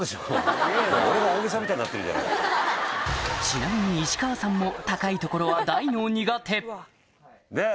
ちなみに石川さんも高い所は大の苦手ねぇ